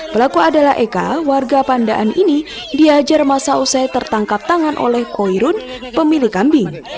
pelaku adalah eka warga pandaan ini diajar masa usai tertangkap tangan oleh koirun pemilik kambing